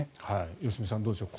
良純さん、どうでしょう。